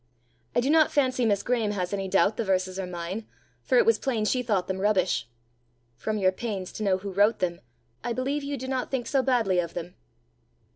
I do not fancy Miss Graeme has any doubt the verses are mine, for it was plain she thought them rubbish. From your pains to know who wrote them, I believe you do not think so badly of them!"